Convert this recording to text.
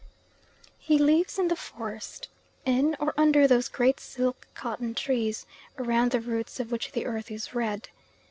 He lives in the forest, in or under those great silk cotton trees around the roots of which the earth is red.